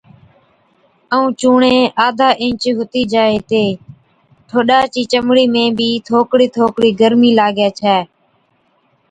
ائُون چُونڻي آڌا اِنچ هُتِي جائي هِتين، ٺوڏا چِي چمڙِي ۾ بِي ٿوڪڙِي ٿوڪڙِي گرمِي لاگَي ڇَي۔